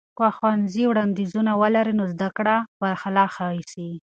که ښوونځي وړاندیزونه ولري، نو زده کړه به لا ښه سي.